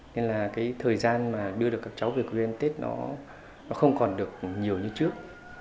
nên là thời gian đưa được các cháu về quê ăn tết không còn được nhiều như trước